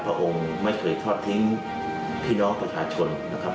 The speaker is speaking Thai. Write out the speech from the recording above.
พระองค์ไม่เคยทอดทิ้งพี่น้องประชาชนนะครับ